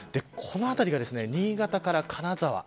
この辺りが、新潟から金沢